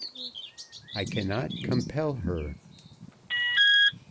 "I CANNOT COMPEL HER."